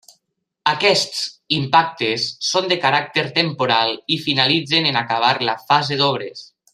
Aquests impactes són de caràcter temporal i finalitzen en acabar la fase d'obres.